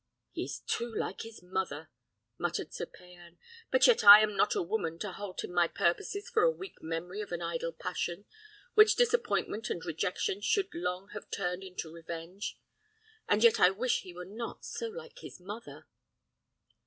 "He is too like his mother," muttered Sir Payan. "But yet I am not a woman to halt in my purposes for the weak memory of an idle passion, which disappointment and rejection should long have turned into revenge; and yet I wish he were not so like his mother."